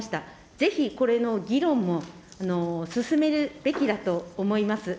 ぜひ、これの議論も進めるべきだと思います。